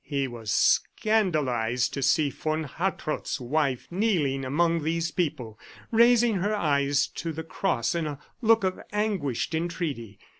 He was scandalized to see von Hartrott's wife kneeling among these people raising her eyes to the cross in a look of anguished entreaty.